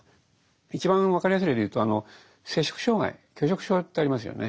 一番分かりやすい例でいうと摂食障害拒食症ってありますよね。